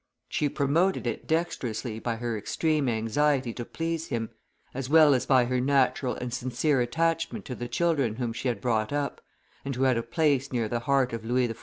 She promoted it dexterously by her extreme anxiety to please him, as well as by her natural and sincere attachment to the children whom she had brought up, and who had a place near the heart of Louis XIV.